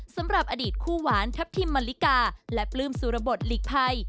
สำหรับอดีตคู่หวานทัพทิมมะลิกาและปลื้มสุรบทหลีกภัย